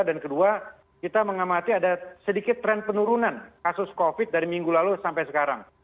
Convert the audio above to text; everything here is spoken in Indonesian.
dan kedua kita mengamati ada sedikit tren penurunan kasus covid dari minggu lalu sampai sekarang